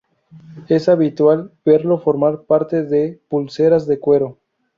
Es habitual verlo formar parte de pulseras de cuero.